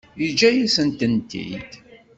Yeǧǧa-yasent-tent-id.